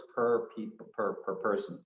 jumlah mobil per orang